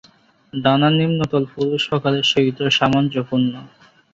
ডানার নিম্নতল পুরুষ প্রকারের সহিত সামঞ্জস্যপূর্ণ।